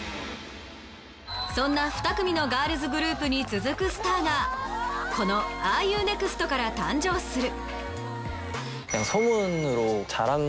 そんな２組のガールズグループに続くスターがこの『ＲＵＮｅｘｔ？』から誕生する。